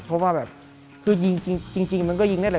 เพราะว่าแบบคือยิงจริงมันก็ยิงได้แหละ